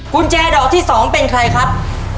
กุญแจดอกที่๒เป็นใครครับ